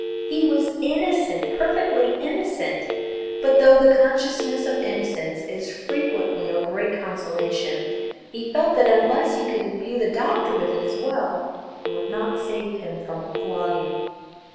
He was innocent, perfectly innocent; but though the consciousness of innocence is frequently a great consolation, he felt that unless he could imbue the Doctor with it as well, it would not save him from a flogging.